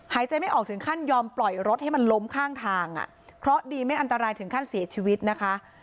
หายใจไม่ออกถึงขั้นยอมปล่อยรถให้มันล้มข้างทางอ่ะเพราะดีไม่อันตรายถึงขั้นเสียชีวิตนะคะ